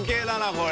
これ。